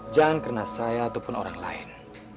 jangan karena saya ataupun orang lain